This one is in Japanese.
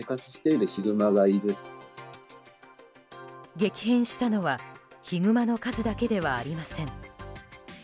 激変したのはヒグマの数だけではありません。